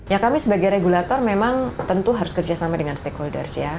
ya kami sebagai regulator memang tentu harus kerjasama dengan stakeholders ya